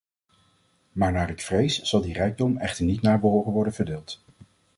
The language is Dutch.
Maar naar ik vrees, zal die rijkdom echter niet naar behoren worden verdeeld.